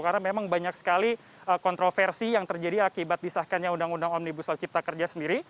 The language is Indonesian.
karena memang banyak sekali kontroversi yang terjadi akibat disahkannya undang undang omnibus law cipta kerja sendiri